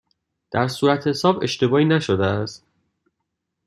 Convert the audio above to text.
در صورتحساب اشتباهی نشده است؟